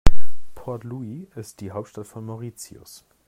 Port Louis ist die Hauptstadt von Mauritius.